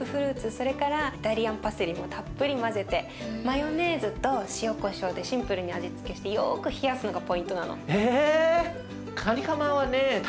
それからイタリアンパセリもたっぷり混ぜてマヨネーズと塩こしょうでシンプルに味付けしてよく冷やすのがポイントなの。